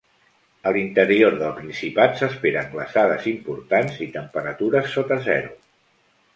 A l’interior del Principat s’esperen glaçades importants i temperatures sota zero.